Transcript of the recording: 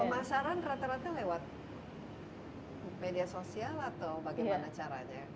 pemasaran rata rata lewat media sosial atau bagaimana caranya